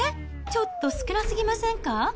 ちょっと少なすぎませんか？